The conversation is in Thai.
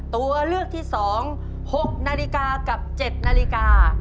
ตัวเลือกที่๒๖นาฬิกากับ๗นาฬิกา